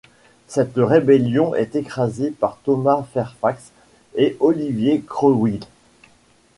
Cette rébellion est écrasée par Thomas Fairfax et Oliver Cromwell.